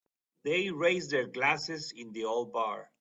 They raised their glasses in the old bar.